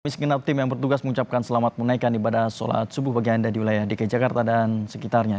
segenap tim yang bertugas mengucapkan selamat menaikkan ibadah sholat subuh bagi anda di wilayah dki jakarta dan sekitarnya